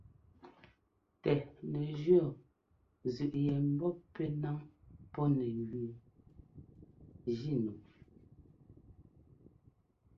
Tɛ nɛjʉɔ́ zʉꞌ yɛ mbɔ pɛ́ ńnaŋ pɔ́ nɛ gẅɛɛ jínu.